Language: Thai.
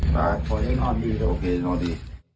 สาธุ